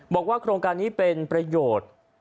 บอกว่าโครงการนี้เป็นประโยชน์